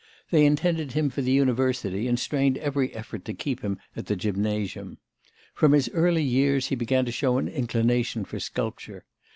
They intended him for the university, and strained every effort to keep him at the gymnasium. From his early years he began to show an inclination for sculpture.